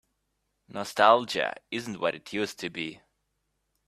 Nostalgia isn't what it used to be.